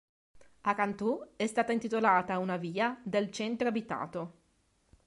A Cantù è stata intitolata una via del centro abitato.